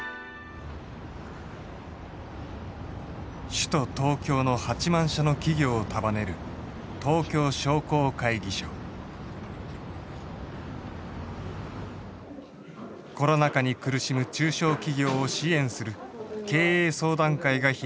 首都東京の８万社の企業を束ねるコロナ禍に苦しむ中小企業を支援する経営相談会が開かれていた。